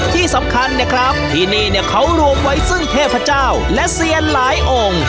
ที่สำคัญเนี่ยครับที่นี่เนี่ยเขารวมไว้ซึ่งเทพเจ้าและเซียนหลายองค์